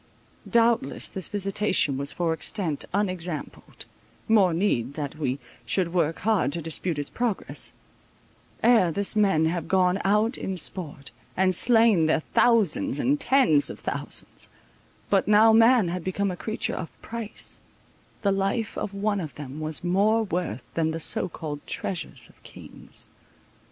Doubtless this visitation was for extent unexampled—more need that we should work hard to dispute its progress; ere this men have gone out in sport, and slain their thousands and tens of thousands; but now man had become a creature of price; the life of one of them was of more worth than the so called treasures of kings.